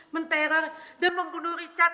menteror dan membunuh richard